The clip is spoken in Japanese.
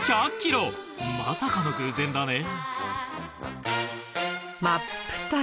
まさかの偶然だね。